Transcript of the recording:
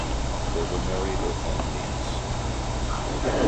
They were married within weeks.